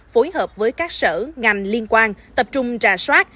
phối hợp với các sở ngành liên quan tập trung trà soát